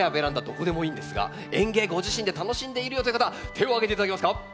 どこでもいんですが園芸ご自身で楽しんでいるよという方手を挙げて頂けますか？